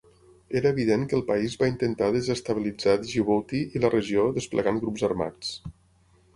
Era evident que el país va intentar desestabilitzar Djibouti i la regió desplegant grups armats.